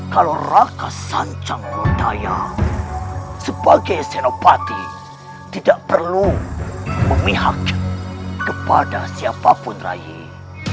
kalau raka sanjangodaya sebagai senopati tidak perlu memihak kepada siapapun raih